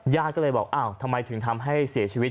ญาติก็เลยบอกอ้าวทำไมถึงทำให้เสียชีวิต